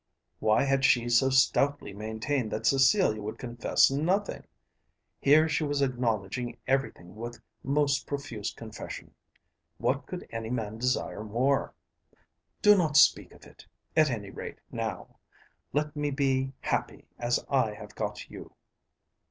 Why had she so stoutly maintained that Cecilia would confess nothing. Here she was acknowledging everything with most profuse confession. What could any man desire more? "Do not speak of it; at any rate now. Let me be happy as I have got you."